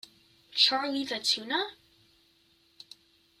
Charlie the Tuna?